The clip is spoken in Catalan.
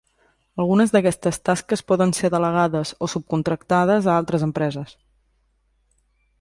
Algunes d'aquestes tasques poden ser delegades o subcontractades a altres empreses.